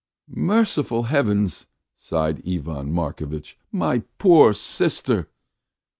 "Merciful Heavens!" sighed Ivan Markovitch. "My poor sister!"